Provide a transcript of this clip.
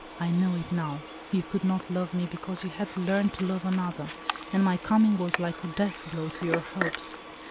I know it now. You could not love me, because you had learned to 'love another, and my coming was like a death blow to your hopes.